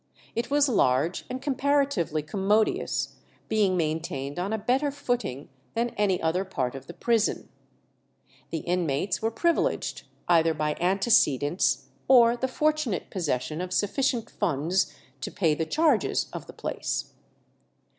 It was large and comparatively commodious, being maintained on a better footing than any other part of the prison. The inmates were privileged, either by antecedents or the fortunate possession of sufficient funds to pay the charges of the place.